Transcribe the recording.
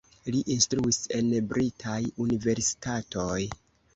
Li instruis en britaj universitatoj.